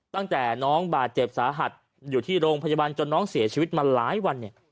ตั้งแต่น้องบาดเจ็บสาหัสอยู่ที่โรงพยาบาลจนน้องเสียชีวิตมาหลายวันเนี่ย